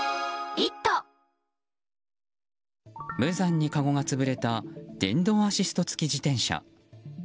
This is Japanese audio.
無残にかごが潰れた電動アシスト付き自転車。